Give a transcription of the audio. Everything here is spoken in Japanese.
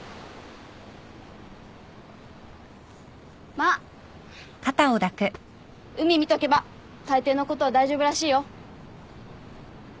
まあ海見とけば大抵のことは大丈夫らしいよ。